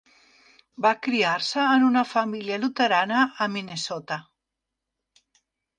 Va criar-se en una família luterana a Minnesota.